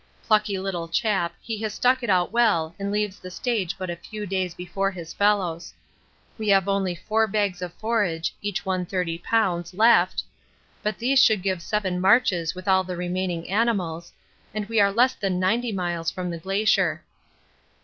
Plucky little chap, he has stuck it out well and leaves the stage but a few days before his fellows. We have only four bags of forage (each one 30 lbs.) left, but these should give seven marches with all the remaining animals, and we are less than 90 miles from the Glacier.